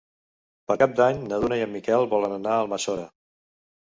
Per Cap d'Any na Duna i en Miquel volen anar a Almassora.